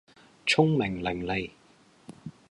聰明伶俐